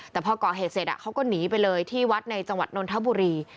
แต่พอก่อเหตุเสร็จเขาก็หนีไปเลยที่วัดในจังหวัดนนทบุรี